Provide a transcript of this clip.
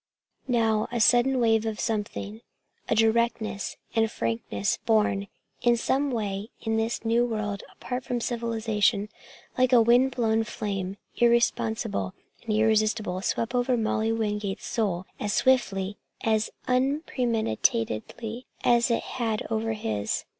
Now a sudden wave of something, a directness and frankness born in some way in this new world apart from civilization, like a wind blown flame, irresponsible and irresistible, swept over Molly Wingate's soul as swiftly, as unpremeditatedly as it had over his.